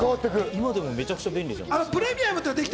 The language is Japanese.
今でもめちゃくちゃ便利じゃないですか？